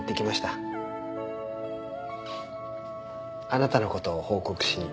あなたの事を報告しに。